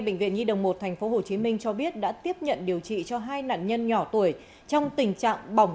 bệnh viện nhi đồng một tp hcm cho biết đã tiếp nhận điều trị cho hai nạn nhân nhỏ tuổi trong tình trạng bỏng